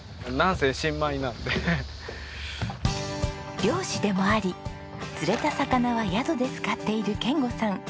漁師でもあり釣れた魚は宿で使っている賢吾さん。